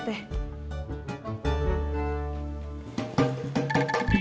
dia sudah berubah